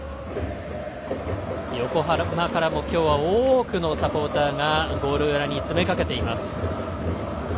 横浜からも今日は多くのサポーターがゴール裏に詰めかけています。